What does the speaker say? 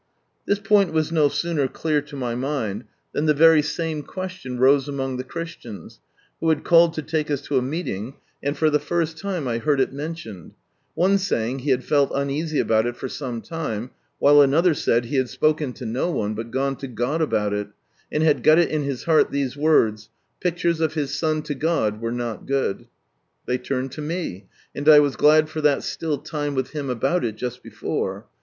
This point was no sooner clear to my mind, than the very same question rose among the Christians, who had called to take us to a meeting, and for the first time I heard it mentioned, one saying he had felt uneasy about it for some time, while another said he had spoken to no one, but gone to God about it, and "had got it in his heart these words, ' pictures of His Son to God were not good,' " They turned to nie, and I was glad for that still time with Him about it, just before.